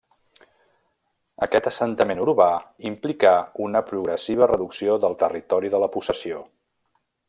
Aquest assentament urbà implicà una progressiva reducció del territori de la possessió.